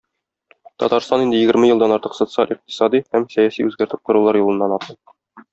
Татарстан инде егерме елдан артык социаль-икътисади һәм сәяси үзгәртеп корулар юлыннан атлый.